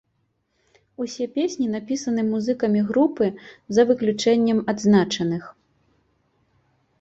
Усе песні напісаны музыкамі групы за выключэннем адзначаных.